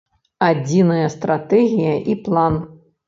Адзіная стратэгія і план.